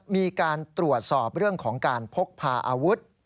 มีการตรวจสอบเรื่องของการพกพาอาวุธ